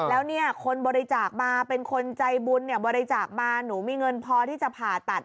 แล้วเนี่ยคนบริจาคมาเป็นคนใจบุญเนี่ยบริจาคมาหนูมีเงินพอที่จะผ่าตัด